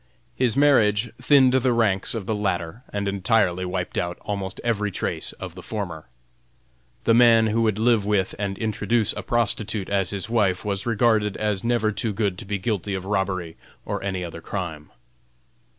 His marriage thinned the ranks of the latter and entirely wiped out almost every trace of the former. The man who would live with and introduce a prostitute as his wife, was regarded as never too good to be guilty of robbery or any other crime.